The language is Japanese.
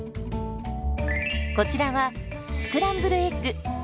こちらはスクランブルエッグ。